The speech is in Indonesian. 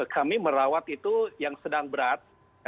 kami merawat itu yang sedang berat